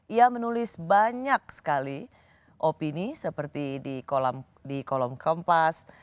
ia menulis banyak sekali opini seperti di kolom kompas